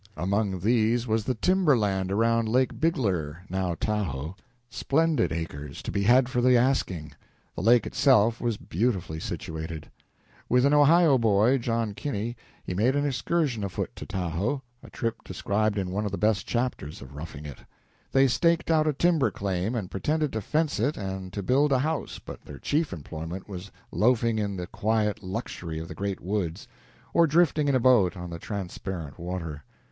Among these was the timber land around Lake Bigler (now Tahoe) splendid acres, to be had for the asking. The lake itself was beautifully situated. With an Ohio boy, John Kinney, he made an excursion afoot to Tahoe, a trip described in one of the best chapters of "Roughing It." They staked out a timber claim and pretended to fence it and to build a house, but their chief employment was loafing in the quiet luxury of the great woods or drifting in a boat on the transparent water.